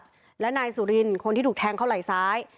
ที่เจ็บสาหัสและนายสุรินทร์คนที่ถูกแทงเข้าไหล่ซ้าย